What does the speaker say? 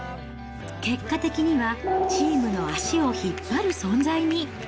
結果的にはチームの足を引っ張る存在に。